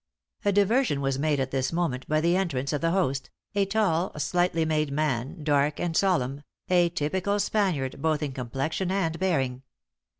A diversion was made at this moment by the entrance of the host, a tall, slightly made man, dark and solemn a typical Spaniard both in complexion and bearing.